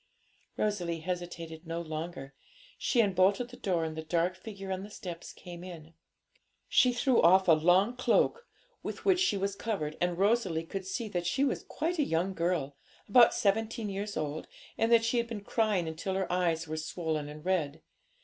Rosalie hesitated no longer. She unbolted the door, and the dark figure on the steps came in. She threw off a long cloak with which she was covered; and Rosalie could see that she was quite a young girl, about seventeen years old, and that she had been crying until her eyes were swollen and red.